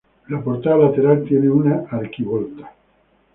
La portada lateral tiene una arquivolta.